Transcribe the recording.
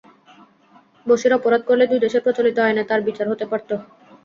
বশির অপরাধ করলে দুই দেশের প্রচলিত আইনে তাঁর বিচার হতে পারত।